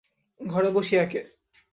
ঘরে বসিয়া কে!